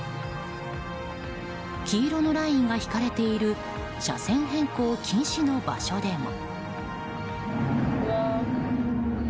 黄色のラインが引かれている車線変更禁止の場所でも。